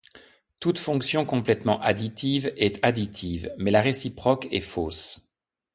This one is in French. Toute fonction complètement additive est additive, mais la réciproque est fausse.